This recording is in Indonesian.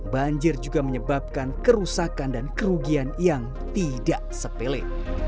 banjir juga menyebabkan kerusakan dan kerugian yang tidak sepele